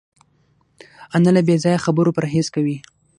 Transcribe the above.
انا له بېځایه خبرو پرهېز کوي